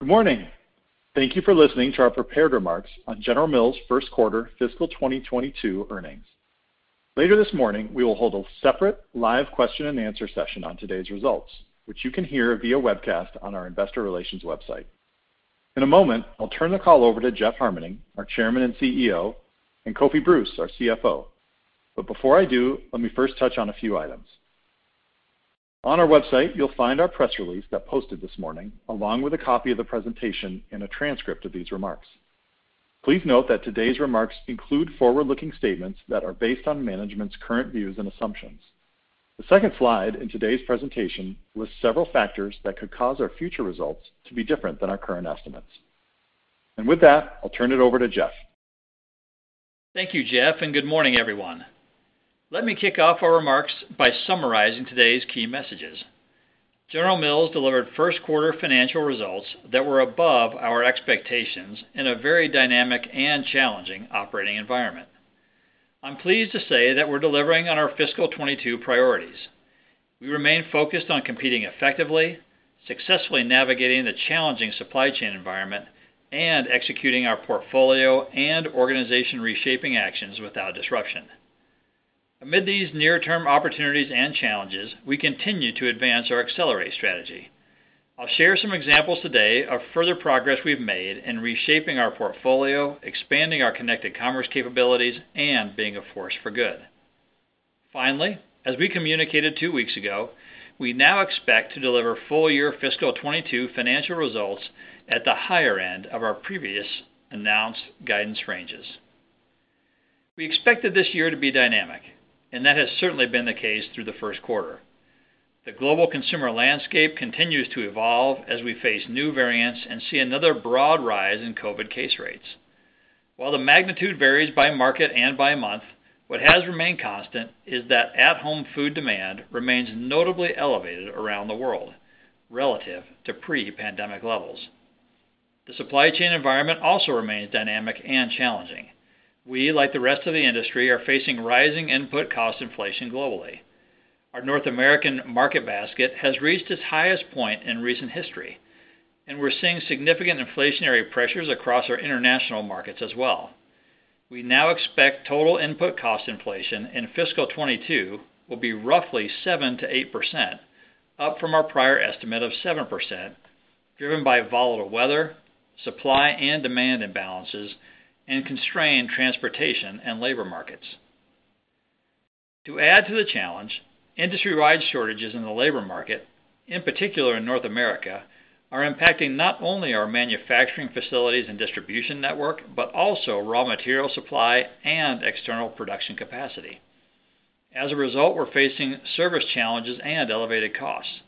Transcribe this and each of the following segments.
Good morning. Thank you for listening to our prepared remarks on General Mills' first quarter fiscal 2022 earnings. Later this morning, we will hold a separate live question and answer session on today's results, which you can hear via webcast on our investor relations website. In a moment, I'll turn the call over to Jeff Harmening, our Chairman and CEO, and Kofi Bruce, our CFO. Before I do, let me first touch on a few items. On our website, you'll find our press release that posted this morning, along with a copy of the presentation and a transcript of these remarks. Please note that today's remarks include forward-looking statements that are based on management's current views and assumptions. The second slide in today's presentation lists several factors that could cause our future results to be different than our current estimates. With that, I'll turn it over to Jeff. Thank you, Jeff, and good morning, everyone. Let me kick off our remarks by summarizing today's key messages. General Mills delivered first quarter financial results that were above our expectations in a very dynamic and challenging operating environment. I'm pleased to say that we're delivering on our fiscal 2022 priorities. We remain focused on competing effectively, successfully navigating the challenging supply chain environment, and executing our portfolio and organization reshaping actions without disruption. Amid these near-term opportunities and challenges, we continue to advance our Accelerate strategy. I'll share some examples today of further progress we've made in reshaping our portfolio, expanding our connected commerce capabilities, and being a force for good. Finally, as we communicated two weeks ago, we now expect to deliver full year fiscal 2022 financial results at the higher end of our previous announced guidance ranges. We expected this year to be dynamic, that has certainly been the case through the first quarter. The global consumer landscape continues to evolve as we face new variants and see another broad rise in COVID case rates. While the magnitude varies by market and by month, what has remained constant is that at-home food demand remains notably elevated around the world relative to pre-pandemic levels. The supply chain environment also remains dynamic and challenging. We, like the rest of the industry, are facing rising input cost inflation globally. Our North American market basket has reached its highest point in recent history, we're seeing significant inflationary pressures across our international markets as well. We now expect total input cost inflation in fiscal 2022 will be roughly 7%-8%, up from our prior estimate of 7%, driven by volatile weather, supply and demand imbalances, and constrained transportation and labor markets. To add to the challenge, industry-wide shortages in the labor market, in particular in North America, are impacting not only our manufacturing facilities and distribution network, but also raw material supply and external production capacity. As a result, we're facing service challenges and elevated costs.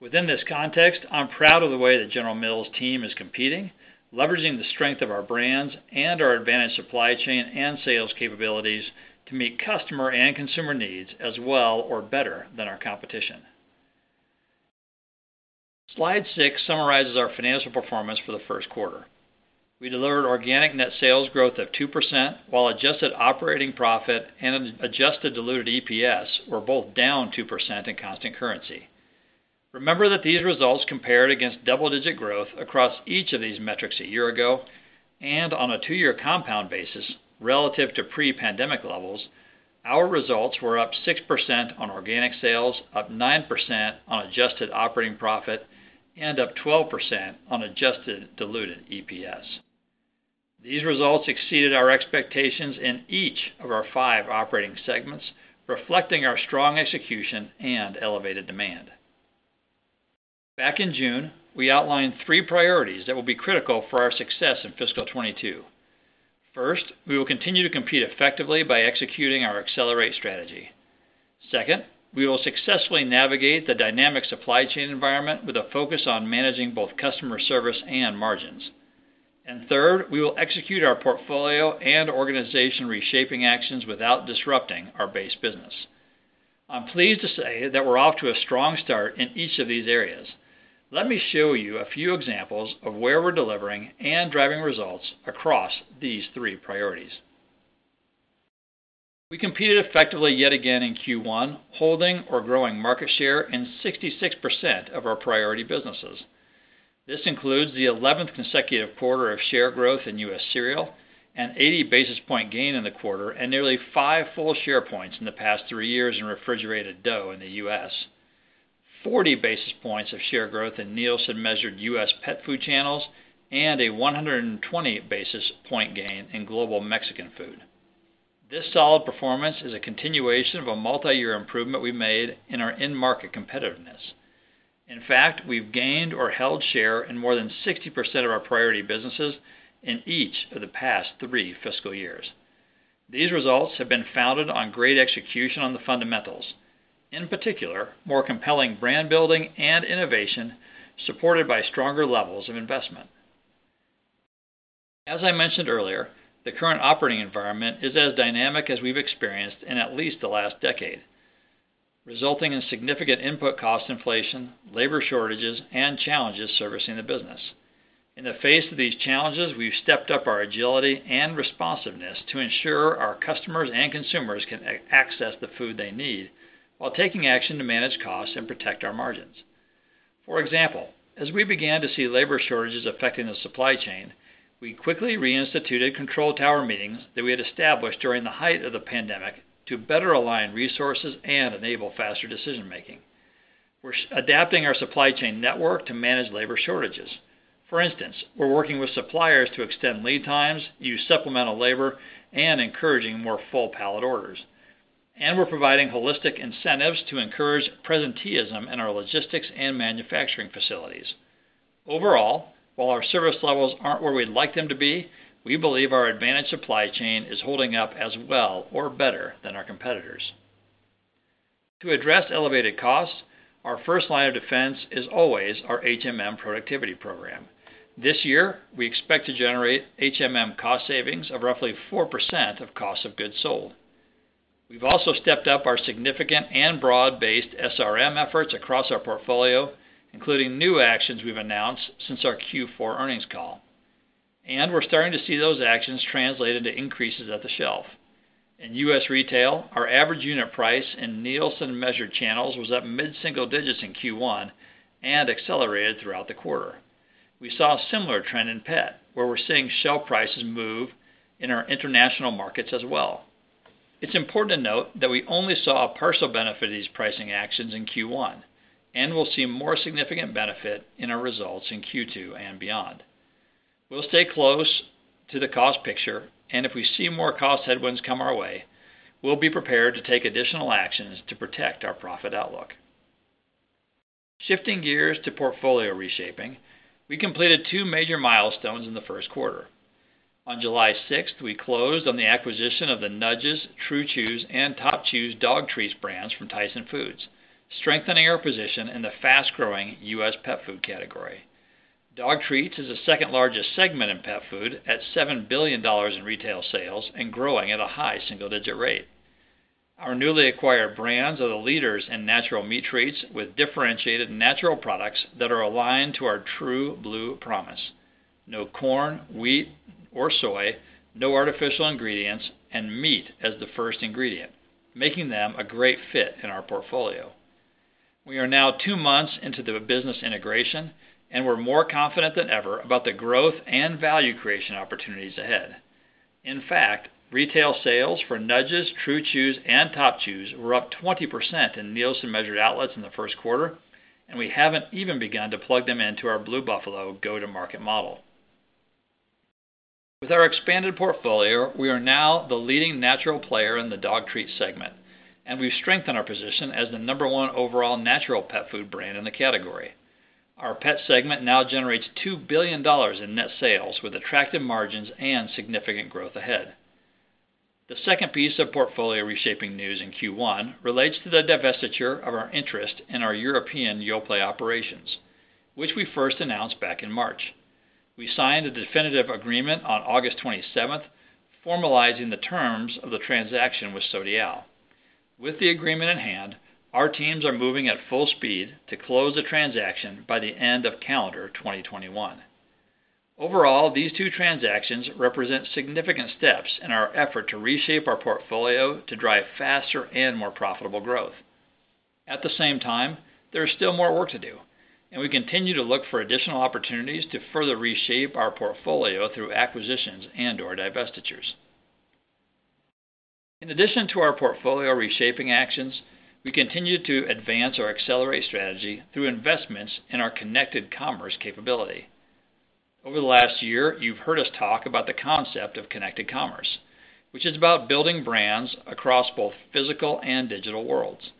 Within this context, I'm proud of the way the General Mills team is competing, leveraging the strength of our brands and our advantage supply chain and sales capabilities to meet customer and consumer needs as well or better than our competition. Slide six summarizes our financial performance for the first quarter. We delivered organic net sales growth of 2% while adjusted operating profit and adjusted diluted EPS were both down 2% in constant currency. Remember that these results compared against double-digit growth across each of these metrics a year ago, and on a two-year compound basis relative to pre-pandemic levels, our results were up 6% on organic sales, up 9% on adjusted operating profit, and up 12% on adjusted diluted EPS. These results exceeded our expectations in each of our five operating segments, reflecting our strong execution and elevated demand. Back in June, we outlined three priorities that will be critical for our success in fiscal 2022. First, we will continue to compete effectively by executing our Accelerate strategy. Second, we will successfully navigate the dynamic supply chain environment with a focus on managing both customer service and margins. Third, we will execute our portfolio and organization reshaping actions without disrupting our base business. I'm pleased to say that we're off to a strong start in each of these areas. Let me show you a few examples of where we're delivering and driving results across these three priorities. We competed effectively yet again in Q1, holding or growing market share in 66% of our priority businesses. This includes the 11th consecutive quarter of share growth in US cereal, an 80 basis point gain in the quarter, and nearly five full share points in the past 3 years in refrigerated dough in the U.S., 40 basis points of share growth in Nielsen-measured US pet food channels, and a 120 basis point gain in Global Mexican food. This solid performance is a continuation of a multi-year improvement we made in our end market competitiveness. In fact, we've gained or held share in more than 60% of our priority businesses in each of the past 3 fiscal years. These results have been founded on great execution on the fundamentals, in particular, more compelling brand building and innovation supported by stronger levels of investment. As I mentioned earlier, the current operating environment is as dynamic as we've experienced in at least the last decade, resulting in significant input cost inflation, labor shortages, and challenges servicing the business. In the face of these challenges, we've stepped up our agility and responsiveness to ensure our customers and consumers can access the food they need while taking action to manage costs and protect our margins. For example, as we began to see labor shortages affecting the supply chain, we quickly reinstituted control tower meetings that we had established during the height of the pandemic to better align resources and enable faster decision-making. We're adapting our supply chain network to manage labor shortages. For instance, we're working with suppliers to extend lead times, use supplemental labor, and encouraging more full pallet orders, and we're providing holistic incentives to encourage presenteeism in our logistics and manufacturing facilities. Overall, while our service levels aren't where we'd like them to be, we believe our advantage supply chain is holding up as well or better than our competitors. To address elevated costs, our first line of defense is always our HMM productivity program. This year, we expect to generate HMM cost savings of roughly 4% of cost of goods sold. We've also stepped up our significant and broad-based SRM efforts across our portfolio, including new actions we've announced since our Q4 earnings call, and we're starting to see those actions translated to increases at the shelf. In US Retail, our average unit price in Nielsen-measured channels was up mid-single digits in Q1 and accelerated throughout the quarter. We saw a similar trend in Pet, where we're seeing shelf prices move in our international markets as well. It's important to note that we only saw a partial benefit of these pricing actions in Q1, and we'll see more significant benefit in our results in Q2 and beyond. We'll stay close to the cost picture, and if we see more cost headwinds come our way, we'll be prepared to take additional actions to protect our profit outlook. Shifting gears to portfolio reshaping, we completed two major milestones in the first quarter. On July 6th, we closed on the acquisition of the Nudges, True Chews, and Top Chews dog treats brands from Tyson Foods, strengthening our position in the fast-growing U.S. pet food category. Dog treats is the second-largest segment in pet food at $7 billion in retail sales and growing at a high single-digit rate. Our newly acquired brands are the leaders in natural meat treats with differentiated natural products that are aligned to our True Blue Promise: no corn, wheat, or soy, no artificial ingredients, and meat as the first ingredient, making them a great fit in our portfolio. We are now two months into the business integration, and we're more confident than ever about the growth and value creation opportunities ahead. In fact, retail sales for Nudges, True Chews, and Top Chews were up 20% in Nielsen-measured outlets in the first quarter, and we haven't even begun to plug them into our Blue Buffalo go-to-market model. With our expanded portfolio, we are now the leading natural player in the dog treat segment, and we've strengthened our position as the number one overall natural pet food brand in the category. Our pet segment now generates $2 billion in net sales with attractive margins and significant growth ahead. The second piece of portfolio reshaping news in Q1 relates to the divestiture of our interest in our European Yoplait operations, which we first announced back in March. We signed a definitive agreement on August 27th, formalizing the terms of the transaction with Sodiaal. With the agreement in hand, our teams are moving at full speed to close the transaction by the end of calendar 2021. Overall, these two transactions represent significant steps in our effort to reshape our portfolio to drive faster and more profitable growth. At the same time, there is still more work to do, and we continue to look for additional opportunities to further reshape our portfolio through acquisitions and/or divestitures. In addition to our portfolio reshaping actions, we continue to advance our Accelerate strategy through investments in our connected commerce capability. Over the last year, you've heard us talk about the concept of connected commerce, which is about building brands across both physical and digital worlds.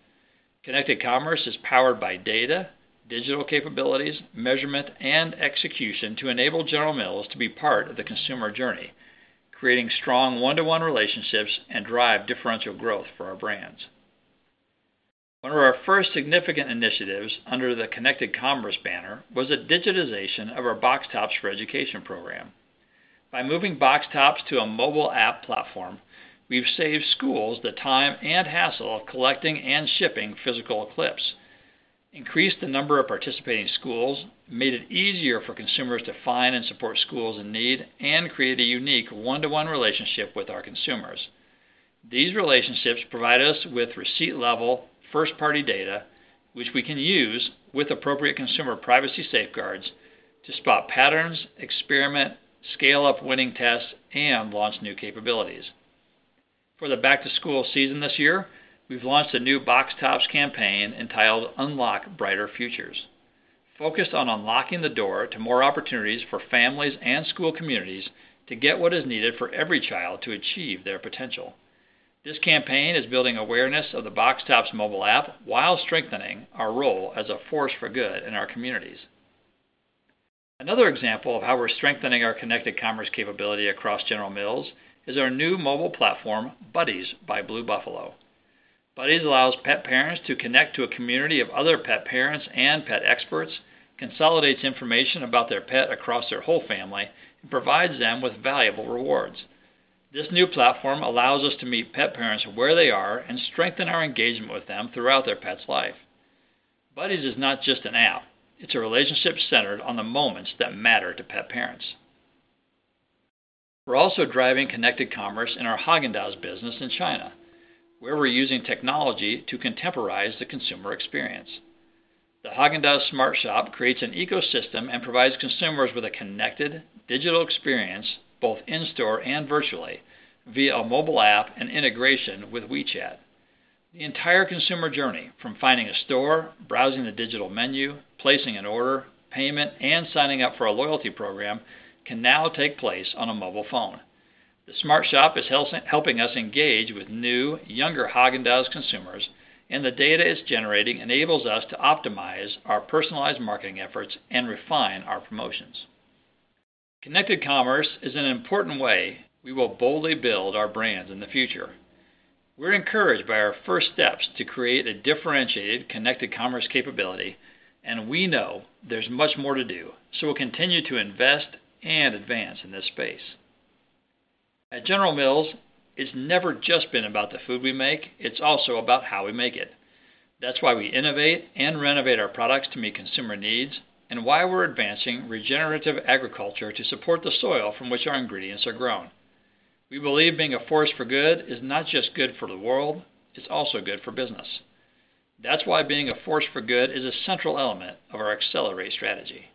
Connected commerce is powered by data, digital capabilities, measurement, and execution to enable General Mills to be part of the consumer journey, creating strong one-to-one relationships and drive differential growth for our brands. One of our first significant initiatives under the connected commerce banner was a digitization of our Box Tops for Education program. By moving Box Tops to a mobile app platform, we've saved schools the time and hassle of collecting and shipping physical clips, increased the number of participating schools, made it easier for consumers to find and support schools in need, and created a unique one-to-one relationship with our consumers. These relationships provide us with receipt-level, first-party data, which we can use with appropriate consumer privacy safeguards to spot patterns, experiment, scale up winning tests, and launch new capabilities. For the back-to-school season this year, we've launched a new Box Tops campaign entitled Unlock Brighter Futures, focused on unlocking the door to more opportunities for families and school communities to get what is needed for every child to achieve their potential. This campaign is building awareness of the Box Tops mobile app while strengthening our role as a force for good in our communities. Another example of how we're strengthening our connected commerce capability across General Mills is our new mobile platform, Buddies by Blue Buffalo. Buddies allows pet parents to connect to a community of other pet parents and pet experts, consolidates information about their pet across their whole family, and provides them with valuable rewards. This new platform allows us to meet pet parents where they are and strengthen our engagement with them throughout their pet's life. Buddies is not just an app, it's a relationship centered on the moments that matter to pet parents. We're also driving connected commerce in our Häagen-Dazs business in China, where we're using technology to contemporize the consumer experience. The Häagen-Dazs Smart Shop creates an ecosystem and provides consumers with a connected digital experience, both in-store and virtually, via mobile app and integration with WeChat. The entire consumer journey from finding a store, browsing the digital menu, placing an order, payment, and signing up for a loyalty program can now take place on a mobile phone. The Smart Shop is helping us engage with new, younger Häagen-Dazs consumers, and the data it's generating enables us to optimize our personalized marketing efforts and refine our promotions. connected commerce is an important way we will boldly build our brands in the future. We're encouraged by our first steps to create a differentiated, connected commerce capability, and we know there's much more to do, so we'll continue to invest and advance in this space. At General Mills, it's never just been about the food we make, it's also about how we make it. That's why we innovate and renovate our products to meet consumer needs and why we're advancing regenerative agriculture to support the soil from which our ingredients are grown. We believe being a force for good is not just good for the world, it's also good for business. That's why being a force for good is a central element of our Accelerate strategy.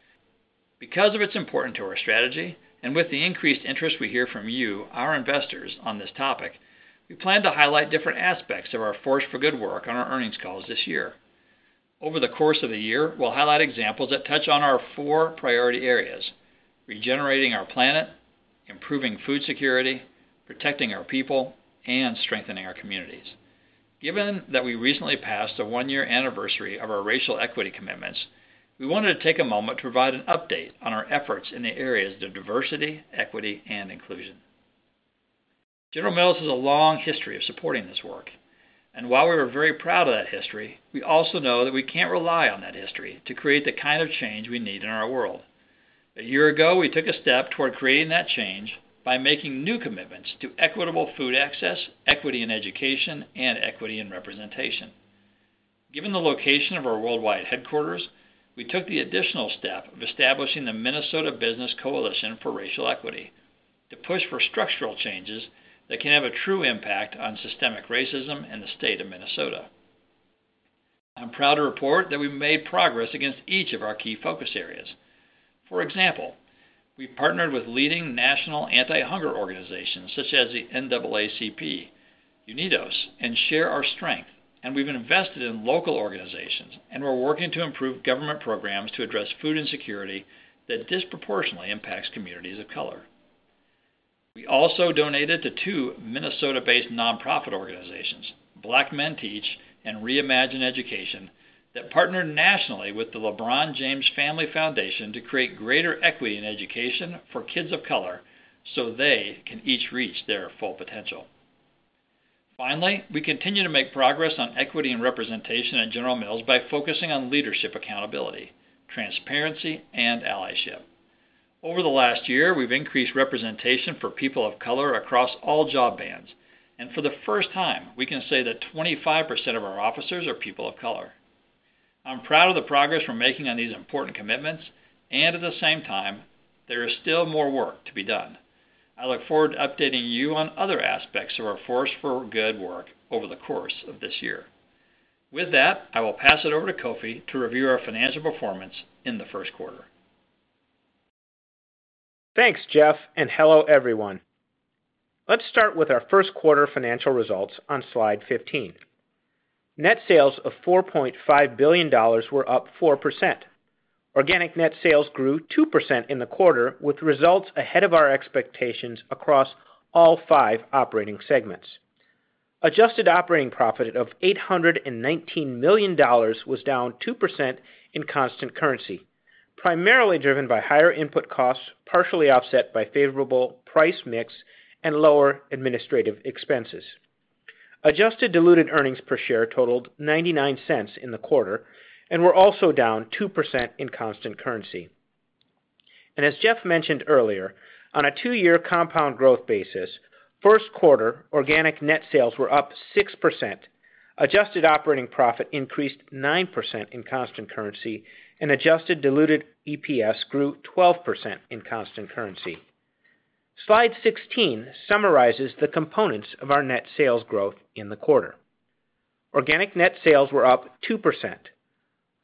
Because of its importance to our strategy, and with the increased interest we hear from you, our investors, on this topic, we plan to highlight different aspects of our force for good work on our earnings calls this year. Over the course of the year, we'll highlight examples that touch on our four priority areas: regenerating our planet, improving food security, protecting our people, and strengthening our communities. Given that we recently passed the one-year anniversary of our racial equity commitments, we wanted to take a moment to provide an update on our efforts in the areas of diversity, equity, and inclusion. General Mills has a long history of supporting this work, and while we are very proud of that history, we also know that we can't rely on that history to create the kind of change we need in our world. A year ago, we took a step toward creating that change by making new commitments to equitable food access, equity in education, and equity in representation. Given the location of our worldwide headquarters, we took the additional step of establishing the Minnesota Business Coalition for Racial Equity to push for structural changes that can have a true impact on systemic racism in the state of Minnesota. I'm proud to report that we've made progress against each of our key focus areas. For example, we partnered with leading national Anti-hunger Organizations such as the NAACP, UnidosUS, and Share Our Strength, and we've invested in local organizations, and we're working to improve government programs to address food insecurity that disproportionately impacts communities of color. We also donated to two Minnesota-based nonprofit organizations, Black Men Teach and Reimagine Education, that partner nationally with the LeBron James Family Foundation to create greater equity in education for kids of color, so they can each reach their full potential. Finally, we continue to make progress on equity and representation at General Mills by focusing on leadership accountability, transparency, and allyship. Over the last year, we've increased representation for people of color across all job bands, and for the first time, we can say that 25% of our officers are people of color. I'm proud of the progress we're making on these important commitments, and at the same time, there is still more work to be done. I look forward to updating you on other aspects of our force for good work over the course of this year. With that, I will pass it over to Kofi to review our financial performance in Q1. Thanks, Jeff, and hello, everyone. Let's start with our first quarter financial results on slide 15. Net sales of $4.5 billion were up 4%. Organic net sales grew 2% in the quarter, with results ahead of our expectations across all five operating segments. Adjusted operating profit of $819 million was down 2% in constant currency, primarily driven by higher input costs, partially offset by favorable price mix and lower administrative expenses. Adjusted diluted earnings per share totaled $0.99 in the quarter and were also down 2% in constant currency. As Jeff mentioned earlier, on a 2-year compound growth basis, first quarter organic net sales were up 6%, adjusted operating profit increased 9% in constant currency, and adjusted diluted EPS grew 12% in constant currency. Slide 16 summarizes the components of our net sales growth in the quarter. Organic net sales were up 2%,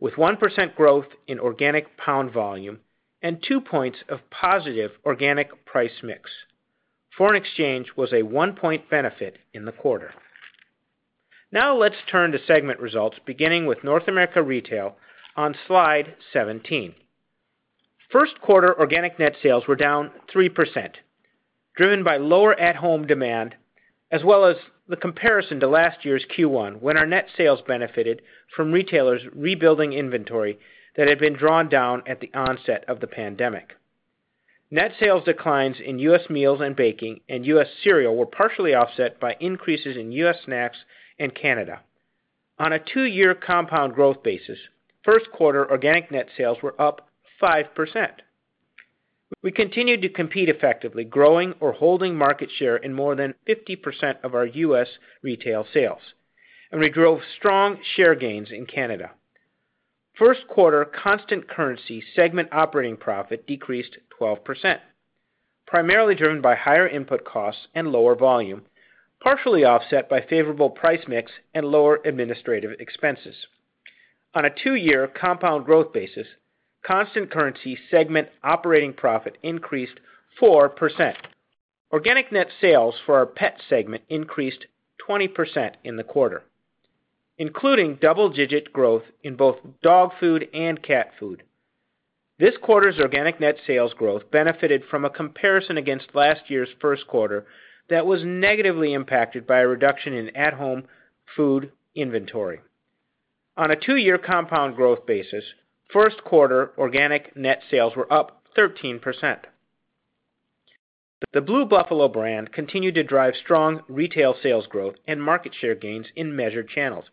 with 1% growth in organic pound volume and two points of positive organic price mix. Foreign exchange was a 1-point benefit in the quarter. Let's turn to segment results, beginning with North America Retail on slide 17. First quarter organic net sales were down 3%, driven by lower at-home demand, as well as the comparison to last year's Q1, when our net sales benefited from retailers rebuilding inventory that had been drawn down at the onset of the pandemic. Net sales declines in US meals and baking and US cereal were partially offset by increases in US snacks and Canada. On a 2-year compound growth basis, first quarter organic net sales were up 5%. We continued to compete effectively, growing or holding market share in more than 50% of our US retail sales, and we drove strong share gains in Canada. First quarter constant currency segment operating profit decreased 12%, primarily driven by higher input costs and lower volume, partially offset by favorable price mix and lower administrative expenses. On a two-year compound growth basis, constant currency segment operating profit increased 4%. Organic net sales for our pet segment increased 20% in the quarter, including double-digit growth in both dog food and cat food. This quarter's organic net sales growth benefited from a comparison against last year's first quarter that was negatively impacted by a reduction in at-home food inventory. On a two-year compound growth basis, first quarter organic net sales were up 13%. The Blue Buffalo brand continued to drive strong retail sales growth and market share gains in measured channels.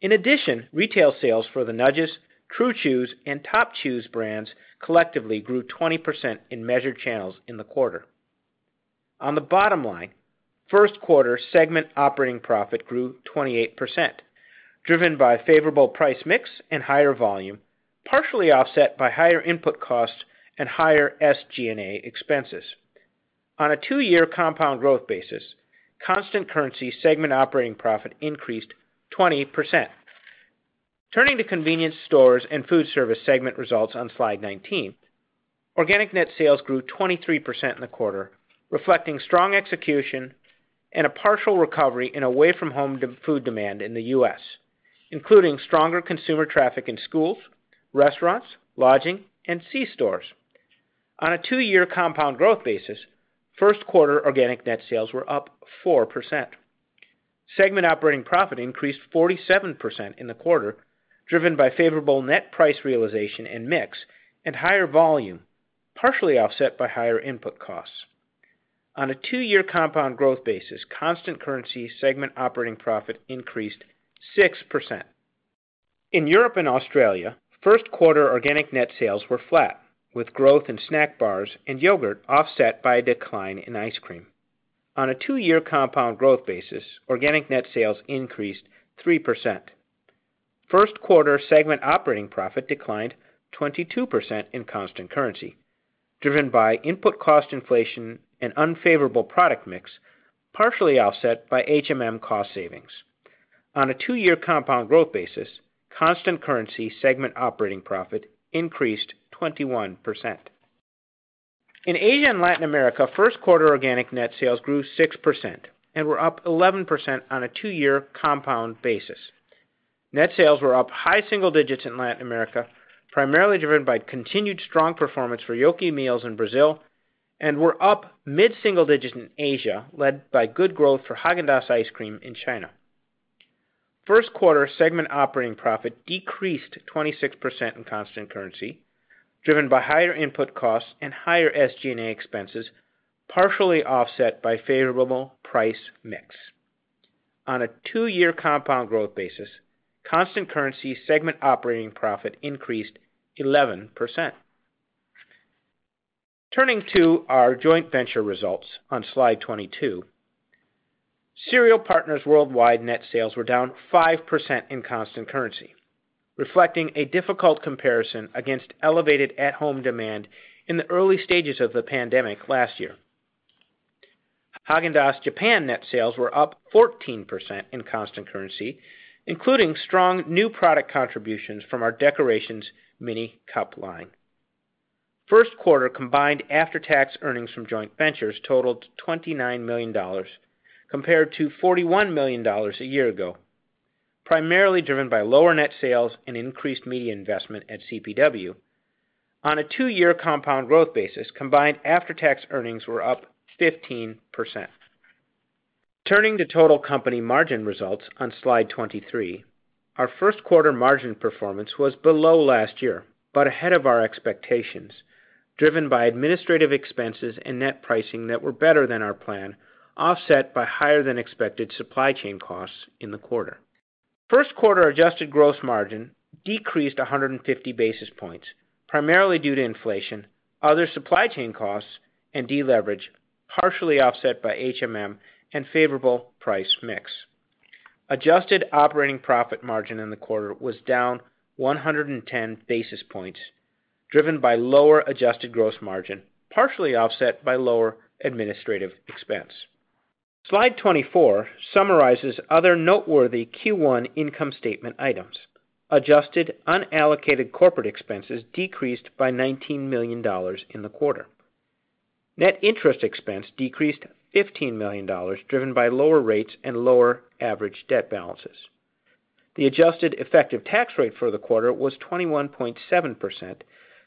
In addition, retail sales for the Nudges, True Chews, and Top Chews brands collectively grew 20% in measured channels in the quarter. On the bottom line, first quarter segment operating profit grew 28%, driven by favorable price mix and higher volume, partially offset by higher input costs and higher SG&A expenses. On a two-year compound growth basis, constant currency segment operating profit increased 20%. Turning to convenience stores and food service segment results on slide 19. Organic net sales grew 23% in the quarter, reflecting strong execution and a partial recovery in away from home food demand in the U.S., including stronger consumer traffic in schools, restaurants, lodging, and c-stores. On a two-year compound growth basis, first quarter organic net sales were up 4%. Segment operating profit increased 47% in the quarter, driven by favorable net price realization and mix, and higher volume, partially offset by higher input costs. On a two-year compound growth basis, constant currency segment operating profit increased 6%. In Europe and Australia, first quarter organic net sales were flat, with growth in snack bars and yogurt offset by a decline in ice cream. On a two-year compound growth basis, organic net sales increased 3%. First quarter segment operating profit declined 22% in constant currency, driven by input cost inflation and unfavorable product mix, partially offset by HMM cost savings. On a two-year compound growth basis, constant currency segment operating profit increased 21%. In Asia and Latin America, first quarter organic net sales grew 6% and were up 11% on a two-year compound basis. Net sales were up high single digits in Latin America, primarily driven by continued strong performance for Yoki meals in Brazil, and were up mid-single digits in Asia, led by good growth for Häagen-Dazs ice cream in China. First quarter segment operating profit decreased 26% in constant currency, driven by higher input costs and higher SG&A expenses, partially offset by favorable price mix. On a two-year compound growth basis, constant currency segment operating profit increased 11%. Turning to our joint venture results on slide 22. Cereal Partners Worldwide net sales were down 5% in constant currency, reflecting a difficult comparison against elevated at-home demand in the early stages of the pandemic last year. Häagen-Dazs Japan net sales were up 14% in constant currency, including strong new product contributions from our Decorations mini cup line. First quarter combined after-tax earnings from joint ventures totaled $29 million compared to $41 million a year ago, primarily driven by lower net sales and increased media investment at CPW. On a two-year compound growth basis, combined after-tax earnings were up 15%. Turning to total company margin results on slide 23. Our first quarter margin performance was below last year, but ahead of our expectations, driven by administrative expenses and net pricing that were better than our plan, offset by higher than expected supply chain costs in the quarter. First quarter adjusted gross margin decreased 150 basis points, primarily due to inflation, other supply chain costs, and deleverage, partially offset by HMM and favorable price mix. Adjusted operating profit margin in the quarter was down 110 basis points, driven by lower adjusted gross margin, partially offset by lower administrative expense. Slide 24 summarizes other noteworthy Q1 income statement items. Adjusted unallocated corporate expenses decreased by $19 million in the quarter. Net interest expense decreased $15 million, driven by lower rates and lower average debt balances. The adjusted effective tax rate for the quarter was 21.7%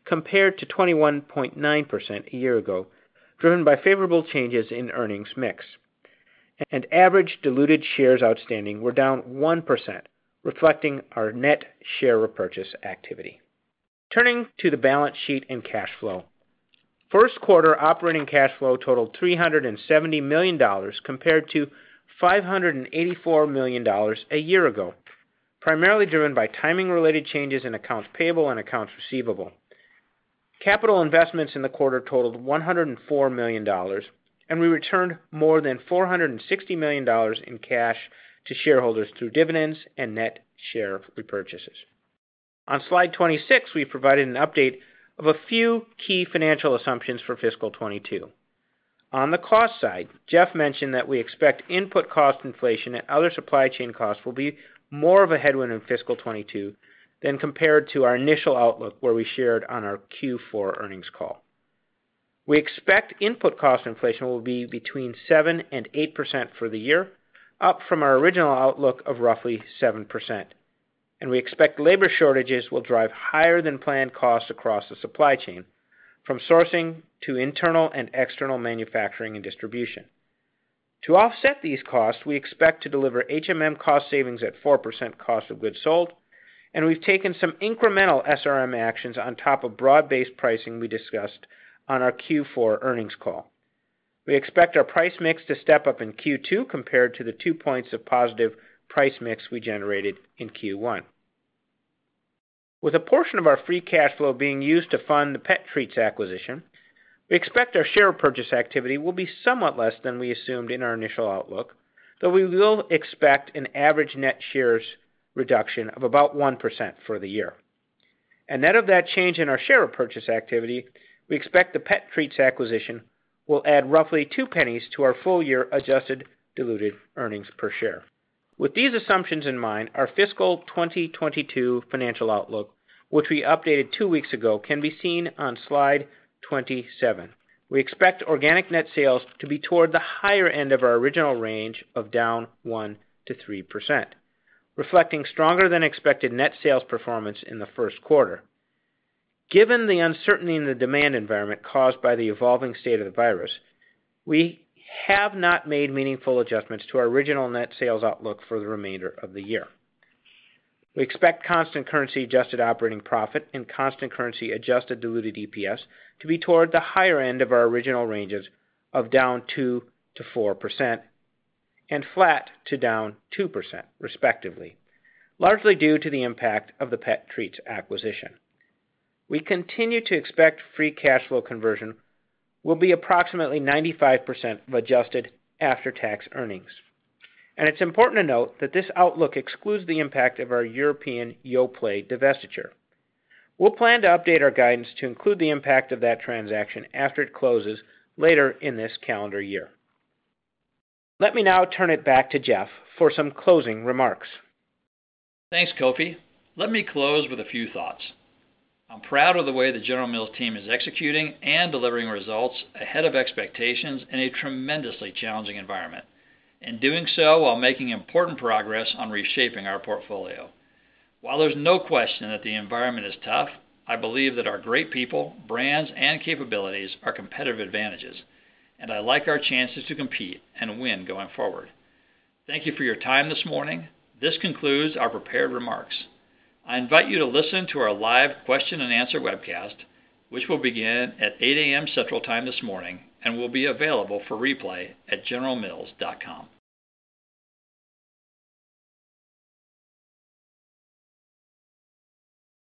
compared to 21.9% a year ago, driven by favorable changes in earnings mix. Average diluted shares outstanding were down 1%, reflecting our net share repurchase activity. Turning to the balance sheet and cash flow. First quarter operating cash flow totaled $370 million compared to $584 million a year ago. Primarily driven by timing-related changes in accounts payable and accounts receivable. Capital investments in the quarter totaled $104 million, and we returned more than $460 million in cash to shareholders through dividends and net share repurchases. On slide 26, we provided an update of a few key financial assumptions for fiscal 2022. On the cost side, Jeff mentioned that we expect input cost inflation and other supply chain costs will be more of a headwind in fiscal 2022 than compared to our initial outlook, where we shared on our Q4 earnings call. We expect input cost inflation will be between 7% and 8% for the year, up from our original outlook of roughly 7%. We expect labor shortages will drive higher than planned costs across the supply chain, from sourcing to internal and external manufacturing and distribution. To offset these costs, we expect to deliver HMM cost savings at 4% cost of goods sold, and we've taken some incremental SRM actions on top of broad-based pricing we discussed on our Q4 earnings call. We expect our price mix to step up in Q2 compared to the two points of positive price mix we generated in Q1. With a portion of our free cash flow being used to fund the pet treats acquisition, we expect our share purchase activity will be somewhat less than we assumed in our initial outlook, though we will expect an average net shares reduction of about 1% for the year. Net of that change in our share repurchase activity, we expect the pet treats acquisition will add roughly $0.02 to our full year adjusted diluted earnings per share. With these assumptions in mind, our fiscal 2022 financial outlook, which we updated two weeks ago, can be seen on slide 27. We expect organic net sales to be toward the higher end of our original range of down 1%-3%, reflecting stronger than expected net sales performance in the first quarter. Given the uncertainty in the demand environment caused by the evolving state of the virus, we have not made meaningful adjustments to our original net sales outlook for the remainder of the year. We expect constant currency adjusted operating profit and constant currency adjusted diluted EPS to be toward the higher end of our original ranges of down 2%-4% and flat to down 2%, respectively, largely due to the impact of the pet treats acquisition. We continue to expect free cash flow conversion will be approximately 95% of adjusted after-tax earnings. It's important to note that this outlook excludes the impact of our European Yoplait divestiture. We'll plan to update our guidance to include the impact of that transaction after it closes later in this calendar year. Let me now turn it back to Jeff for some closing remarks. Thanks, Kofi. Let me close with a few thoughts. I'm proud of the way the General Mills team is executing and delivering results ahead of expectations in a tremendously challenging environment, and doing so while making important progress on reshaping our portfolio. While there's no question that the environment is tough, I believe that our great people, brands, and capabilities are competitive advantages, and I like our chances to compete and win going forward. Thank you for your time this morning. This concludes our prepared remarks. I invite you to listen to our live question and answer webcast, which will begin at 8:00 A.M. Central Time this morning and will be available for replay at generalmills.com.